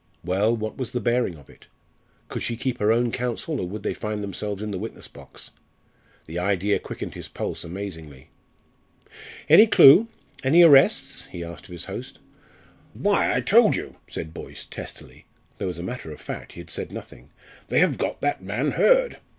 Well, what was the bearing of it? Could she keep her own counsel or would they find themselves in the witness box? The idea quickened his pulse amazingly. "Any clue? Any arrests?" he asked of his host. "Why, I told you," said Boyce, testily, though as a matter of fact he had said nothing. "They have got that man Hurd.